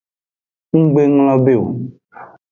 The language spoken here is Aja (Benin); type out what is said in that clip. Nggbe nglongbe o.